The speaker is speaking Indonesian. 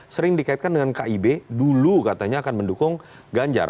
sering dikaitkan dengan kib dulu katanya akan mendukung ganjar